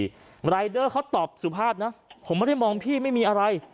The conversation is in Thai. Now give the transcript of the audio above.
ไปกูรีย์เทรียสไปตอบสุภาพนะผมไม่ได้มองพี่ไม่มีอะไร